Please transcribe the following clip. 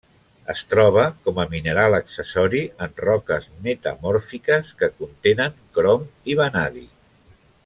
Es troba com a mineral accessori en roques metamòrfiques que contenen crom i vanadi.